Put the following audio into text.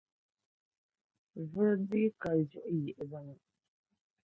Vuri dii ka viɣu yiɣibu ni.